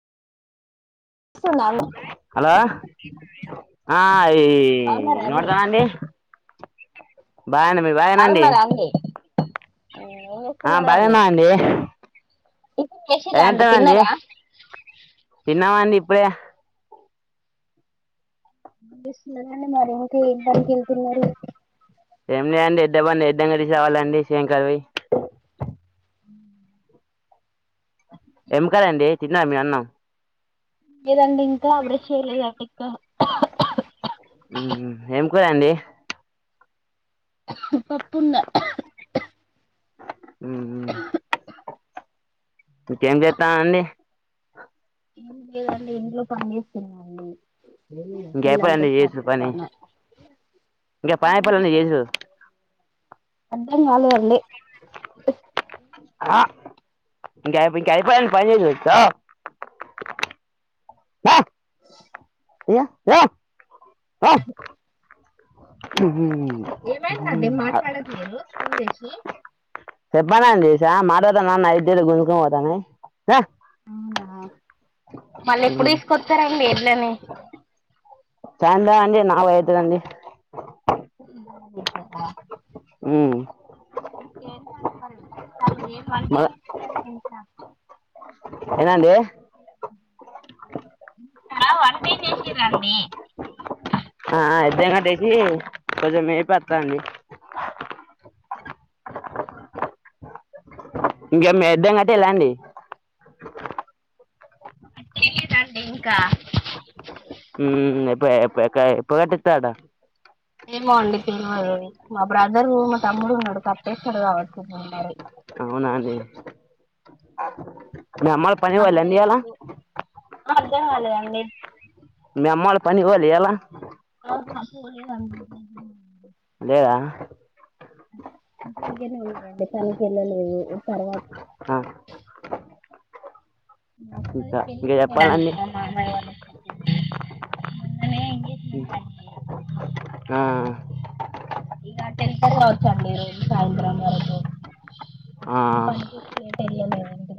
వస్తుందా అండి హలో ఆ ఈోడతావా అండి బాగాండి మీ బాగానండి బాగున్నారా అండి ఏం ఆ చేస్తున్నారండి బాగానా అండి టిఫిన్ చేసిర్రా అండి ఎంతవండి తిన్నారా తన్నవండి అప్పుడ స్తున్నారంండి మరి ఇంకా ఏం పక వెళ్తున్నారు ఏమి లే అండి ఇద్ద బండి ఎద్ద క తీసేవాలండి శ్రంకర్వి ఆ ఏం కదండి తిన్న మే అన్నాం మీదండి ఎ అడ చేరదక్క ఏం కురండి ఆ పున్న ఇంకేం చేస్తా అండి ఏం లే ఇంట్లో పనిేస్తున్నాండి ఇంక ఇల్ంత అయిపోలేదండి చేసుడు పని స్ర్దిట్ను ఇంకా పాయ పల్లన్న చేస ఇం కాలేదండి హ ఇంకా ఇంకా అపో పని వచ్చ అయా ర ఏమయి నాదే మాట్లాడద్ నేను సందసిి చెప్పనడి చేసా మాడతానున్నైద గుంజక పోతాను అవునా మళ్ళీ ఎప్పుడు తీసుకొస్తారండి ఎడ్లని చా చందా ఆడ్నే నావ ఐదు రండి ఉ ఇకేంట అండి మరి విశేషాలు ఏ అంటే మ ఏనాండి వ చేసి రాడి ఆ ఇద్ద కట్టేసి రజ మే పత్తండి ఇంకా మీద్దాం కట్టే ఎలాండి అట్టే లేదండి ఇంకా ఇ ఎప్ప కట్టతాడా ఏమో అండి తెల్వదు మా బ్రదరు మా తమ్ముడు ఉన్నాడు కప్పేస్తాడు కావచ్చు మరి అవునా అండి ఓ అేమ్ మళ పని పోళండి ఎాల అర్ధం కాలేదండి అమ్మళ పని పోాలి ఎలా పో లేద జరిగేనే ఉన్నారంండి తనిఖ వెళ్ళలేవు తర్వాత ఆ ఇంకా ఇంకా త్త తె చెప్పాలండి మామ నిన్నజమెంట్ అ ఇ టెన్త్ కావచ్చ అండి ఈ రోజు సాయంత్రం వరకు పని కటయలే